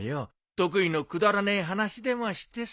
得意のくだらねえ話でもしてさ。